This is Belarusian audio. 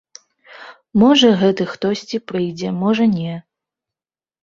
Можа гэты хтосьці прыйдзе, можа не.